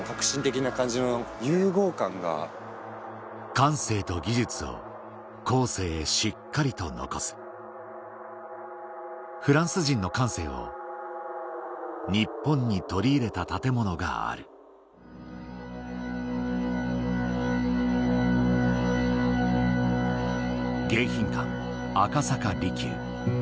感性と技術を後世へしっかりと残すフランス人の感性を日本に取り入れた建物がある迎賓館赤坂離宮